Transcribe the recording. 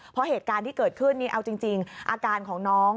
เพราะเหตุการณ์ที่เกิดขึ้นนี่เอาจริงอาการของน้อง